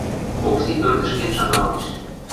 Окси ӧрдӹш кен шагалеш.